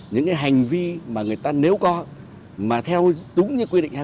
những hành vi mà người ta nếu có mà theo đúng như quy định hai trăm linh năm